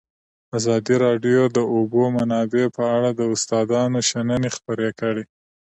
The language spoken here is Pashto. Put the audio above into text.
ازادي راډیو د د اوبو منابع په اړه د استادانو شننې خپرې کړي.